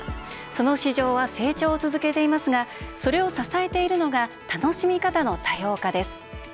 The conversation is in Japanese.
その市場は成長を続けていますがそれを支えているのが楽しみ方の多様化です。